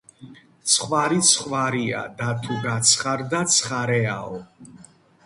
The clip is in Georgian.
ხვარი ცხვარია, და, თუ გაცხარდა, ცხარეაო